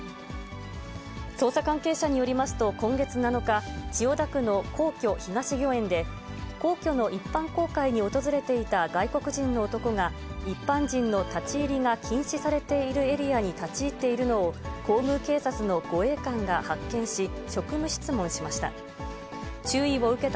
捜査関係者によりますと今月７日、千代田区の皇居・東御苑で、皇居の一般公開に訪れていた外国人の男が、一般人の立ち入りが禁止されているエリアに立ち入っているのを、皇宮警察の護衛官が発見し、職務質問しました。